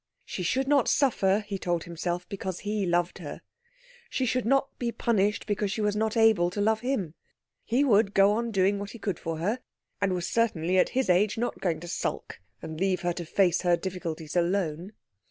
She should not suffer, he told himself, because he loved her; she should not be punished because she was not able to love him. He would go on doing what he could for her, and was certainly, at his age, not going to sulk and leave her to face her difficulties alone.